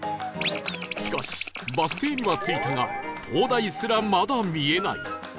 しかしバス停には着いたが灯台すらまだ見えない